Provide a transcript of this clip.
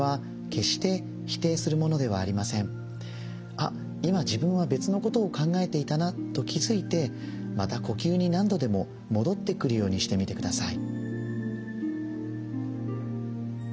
「あっ今自分は別のことを考えていたな」と気付いてまた呼吸に何度でも戻ってくるようにしてみてください。